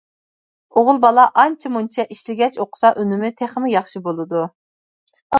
ئوغۇل بالا ئانچە-مۇنچە ئىشلىگەچ ئوقۇسا ئۈنۈمى تېخىمۇ ياخشى بولىدۇ.